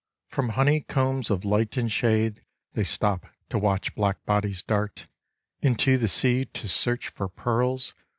From honey combs of light and shade They stop to watch black bodies dart Into the sea to search for pearls.